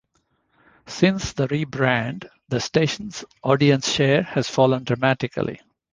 Since the rebrand the station's audience share has fallen dramatically.